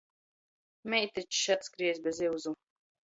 Meitičs atskriejs bez iuzu.